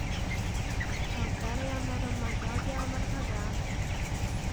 کوتره یو نرممزاجه مرغه ده.